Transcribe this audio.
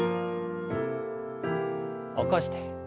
起こして。